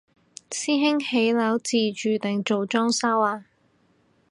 師兄起樓自住定做裝修啊？